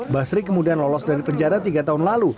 basri kemudian lolos dari penjara tiga tahun lalu